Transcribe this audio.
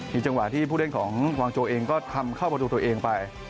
จังหวะที่ผู้เล่นของวางโจเองก็ทำเข้าประตูตัวเองไป